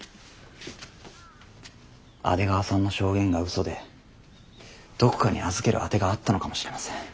阿出川さんの証言がうそでどこかに預ける当てがあったのかもしれません。